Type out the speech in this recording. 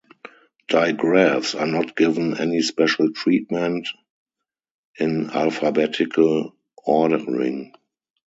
Digraphs are not given any special treatment in alphabetical ordering.